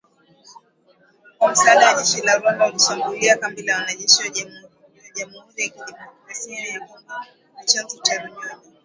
Kwa msaada wa jeshi la Rwanda, walishambulia kambi la Wanajeshi wa Jamhuri ya Kidemokrasia ya Kongo za Tchanzu na Runyonyi.